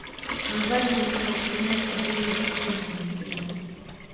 Mavazi hutofautiana kadiri ya umri na jinsia